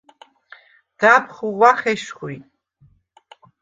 და̈ბ ხუღუ̂ახ ეშხუ̂ი.